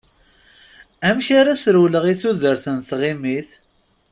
Amek ara as-rewleɣ i tudert n tɣimit?